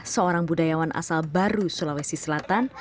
seorang budayawan asal baru sulawesi selatan